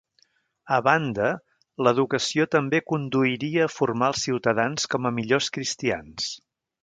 A banda, l'educació també conduiria a formar els ciutadans com a millors cristians.